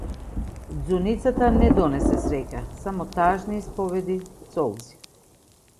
Ѕуницата не донесе среќа, само тажни исповеди, солзи.